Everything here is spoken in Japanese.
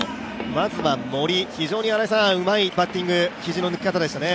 まずは森、非常にうまいバッティング、肘の抜き方でしたね。